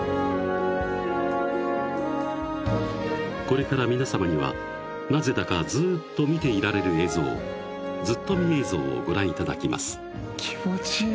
［これから皆さまにはなぜだかずっと見ていられる映像ずっとみ映像をご覧いただきます］